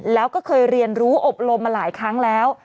แล้วก็เคยเรียนรู้อบรมมาหลายครั้งแล้ว